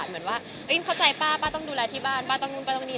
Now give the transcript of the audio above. เข้าใจป้าตรงดูลาที่บ้านต้องนู้นต้องนี่